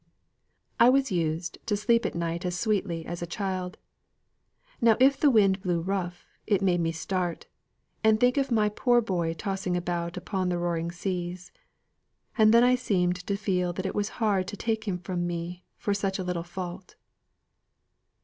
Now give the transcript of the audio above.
"I was used To sleep at nights as sweetly as a child, Now if the wind blew rough, it made me start, And think of my poor boy tossing about Upon the roaring seas. And then I seemed To feel that it was hard to take him from me For such a little fault."